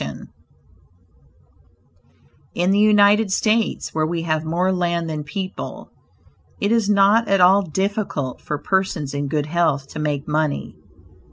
Barnum In the United States, where we have more land than people, it is not at all difficult for persons in good health to make money.